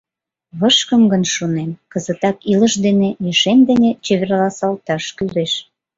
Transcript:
Вышкым гын, шонем, кызытак илыш дене, ешем дене чеверласалташ кӱлеш.